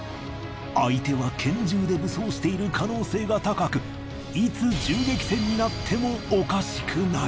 相手は拳銃で武装している可能性が高くいつ銃撃戦になってもおかしくない。